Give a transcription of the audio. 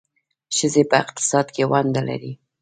ښځې په اقتصاد کې ونډه لري.